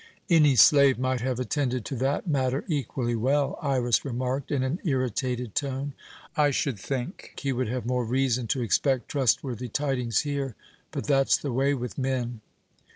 "Any slave might have attended to that matter equally well," Iras remarked in an irritated tone. "I should think he would have more reason to expect trustworthy tidings here. But that's the way with men!"